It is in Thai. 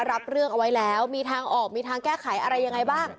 รับเรื่องเอาไว้แล้วมีทางออกมีทางแก้ไขอะไรยังไงบ้าง